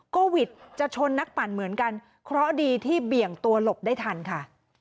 โควิดจะชนนักปั่นเหมือนกันเพราะดีที่เบี่ยงตัวหลบได้ทันค่ะ